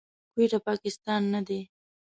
کويټه، پاکستان نه دی.